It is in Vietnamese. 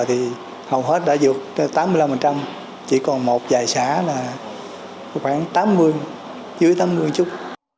thì hầu hết đã vượt tám mươi năm chỉ còn một vài xã là khoảng tám mươi dưới tám mươi chút